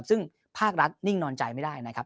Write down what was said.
ซึ่งภาครัฐนิ่งนอนใจไม่ได้นะครับ